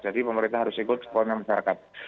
jadi pemerintah harus ikut sekolah dan masyarakat